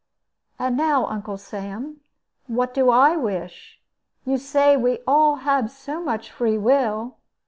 "And now, Uncle Sam, what do I wish? You say we all have so much free will."